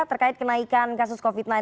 terkait kenaikan kasus covid sembilan belas